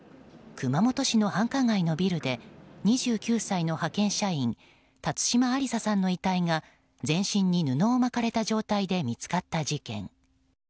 熊本市の繁華街のビルで２９歳の派遣社員辰島ありささんの遺体が全身に布を巻かれた状態で見つかった事件。